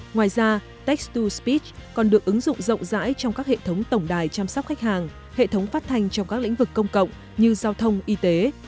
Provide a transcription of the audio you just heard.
ngoài ra text to spee còn được ứng dụng rộng rãi trong các hệ thống tổng đài chăm sóc khách hàng hệ thống phát thanh trong các lĩnh vực công cộng như giao thông y tế